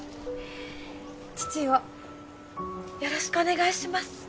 父をよろしくお願いします。